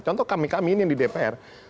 contoh kami kami ini yang di dpr